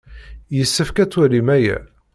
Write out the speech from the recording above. Yessefk ad twalim aya.